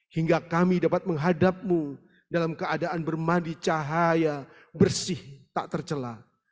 hingga kami dapat menghadapmu dalam keadaan bermandi cahaya bersih tak tercelah